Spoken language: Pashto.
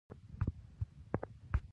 کور کې غلې ودرېدې.